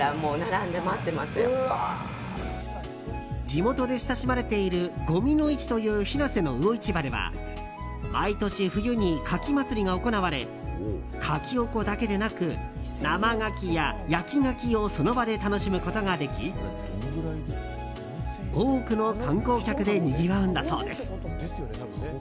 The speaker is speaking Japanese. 地元で親しまれている五味の市という日生の魚市場では毎年冬に、かき祭りが行われカキオコだけでなく生ガキや焼きガキをその場で楽しむことができ多くの観光客でにぎわうんだそうです。